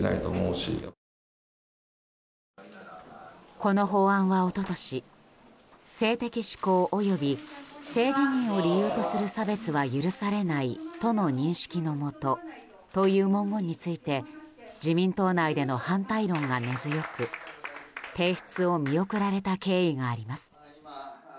この法案は一昨年性的指向及び性自認を理由とする差別は許されないという認識のもとという文言について自民党内での反対論が根強く提出を見送られた経緯があります。